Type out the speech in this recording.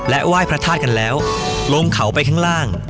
ไหว้พระธาตุกันแล้วลงเขาไปข้างล่าง